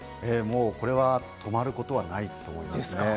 これは止まることはないと思いますね。